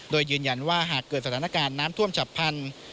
โดยยืนยันว่าหากเกิดสถานการณ์น้ำท่วมฉับพันธุ์